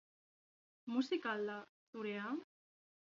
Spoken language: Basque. Musika al da zurea?